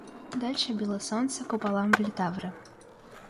Дальше било солнце куполам в литавры.